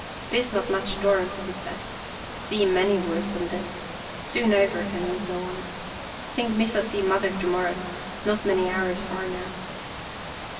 " This not much storm," he said. " See many worse than this. Soon over and we go on. Think Missa see Mother to morrow. Not many hours far now."